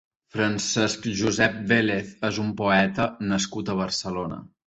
Francesc Josep Vélez és un poeta nascut a Barcelona.